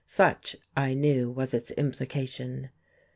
Such, I knew, was its implication.